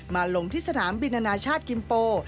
ลงที่สนามบินอนาชาติกิมโป